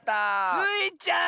スイちゃん！